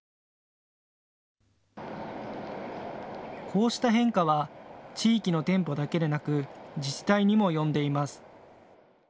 こうした変化は地域の店舗だけでなく自治体にも及んでいます。